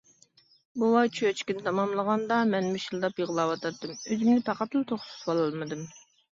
بوۋاي چۆچىكىنى تاماملىغاندا مەن مىشىلداپ يىغلاۋاتاتتىم، ئۆزۈمنى پەقەتلا توختىتىۋالالمىدىم.